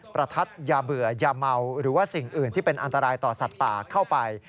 ประทัดยาเบื่อยาเมาหรือว่าสิ่งอื่นที่เป็นอันตรายต่อสัตว์ป่าเข้าไป